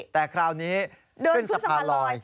แต่คราวนี้ขึ้นสะพานลอย